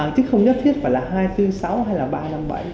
chứ không nhất thiết phải là hai trăm bốn mươi sáu hay là ba trăm năm mươi bảy